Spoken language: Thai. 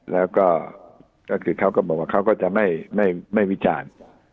แล้วก็ก็คือเขาก็บอกว่าเขาก็จะไม่วิจารณ์